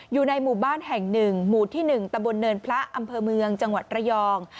อยู่ในหมู่บ้านแห่ง๑หมู่ที่๑ตะบนเนินพระอำเภอเมืองจังหวัดระยอง